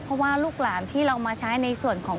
เพราะว่าลูกหลานที่เรามาใช้ในส่วนของ